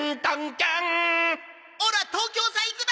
オラ東京さ行くだ！